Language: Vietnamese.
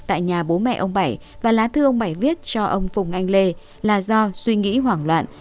tại nhà bố mẹ ông bảy và lá thư ông bảy viết cho ông phùng anh lê là do suy nghĩ hoảng loạn